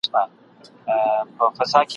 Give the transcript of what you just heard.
ستا سي کلی شپو خوړلی !.